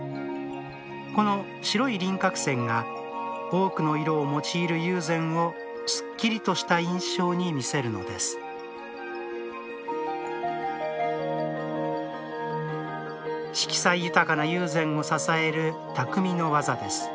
この白い輪郭線が多くの色を用いる友禅をすっきりとした印象に見せるのです色彩豊かな友禅を支える匠の技です